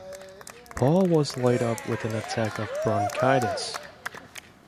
Paul was laid up with an attack of bronchitis.